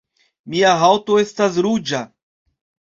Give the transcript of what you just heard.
Mia haŭto estas ruĝa